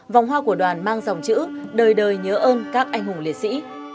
vòng hoa của đoàn mang dòng chữ đời đời nhớ ơn các anh hùng liệt sĩ